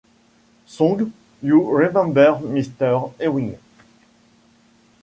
Song : You remember Mr Ewing.